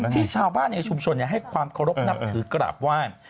ที่ชาวบ้านเนี่ยชุมชนเนี่ยให้ความเคารพนับถือกราบว่า